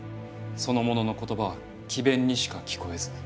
その者の言葉は詭弁にしか聞こえず。